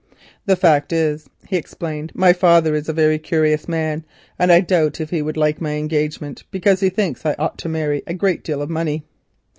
"The fact is," he explained, "my father is a very curious man, and I doubt if he would like my engagement, because he thinks I ought to marry a great deal of money."